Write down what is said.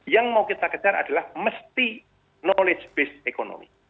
yang mau kita kejar adalah mesti knowledge based economy